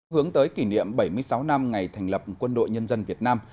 hướng tới kỷ niệm bảy mươi sáu năm ngày thành lập quân đội nhân dân việt nam